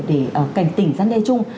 để cảnh tỉnh gian đe chung